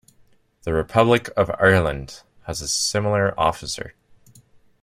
The Republic of Ireland has a similar officer.